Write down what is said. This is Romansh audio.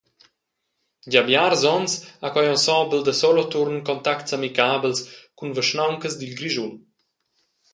Gia biars onns ha quei ensemble da Soloturn contacts amicabels cun vischnauncas dil Grischun.